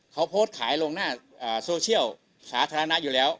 เขาโพสต์ขายลงหน้าโซเชียลสาธารณะอยู่แล้ว